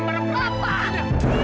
aida jangan lagi